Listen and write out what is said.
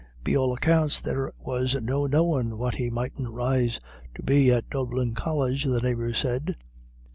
"Be all accounts there was no knowin' what he mightn't rise to be at Dublin College," the neighbours said.